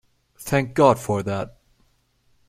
Thank God for that!